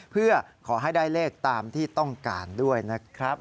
เพื่อขอให้ได้เลขตามที่ต้องการด้วยนะครับ